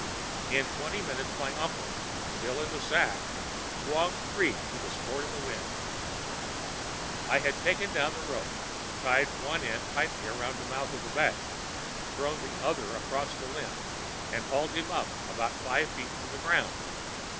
In twenty minutes my uncle, still in the sack, swung free to the sport of the wind. "I had taken down the rope, tied one end tightly about the mouth of the bag, thrown the other across the limb and hauled him up about five feet from the ground.